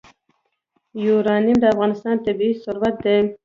یورانیم د افغانستان طبعي ثروت دی.